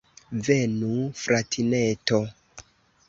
Venu, fratineto!